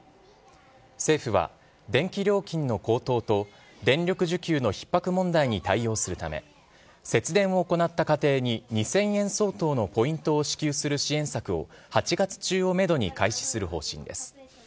政府は、電気料金の高騰と、電力需給のひっ迫問題に対応するため、節電を行った家庭に、２０００円相当のポイントを支給する支援策を、８月中をメドに開始する方針です。